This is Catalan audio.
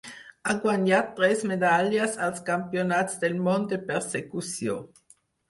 Ha guanyat tres medalles als Campionats del món de Persecució.